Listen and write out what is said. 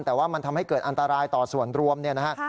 แต่ว่ามันทำให้เกิดอันตรายต่อส่วนรวมเนี่ยนะฮะ